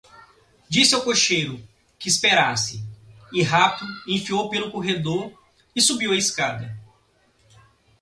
Disse ao cocheiro que esperasse, e rápido enfiou pelo corredor, e subiu a escada.